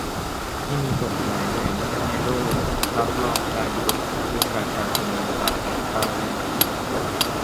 ไม่มีกฎหมายไหนในโลกรับรองการรุมกระทืบประชาชนมือเปล่าของเจ้าหน้า